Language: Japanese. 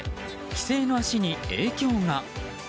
帰省の足に影響が。